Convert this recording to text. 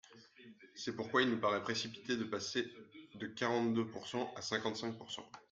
C’est pourquoi il nous paraît précipité de passer de quarante-deux pourcent à cinquante-cinq pourcent.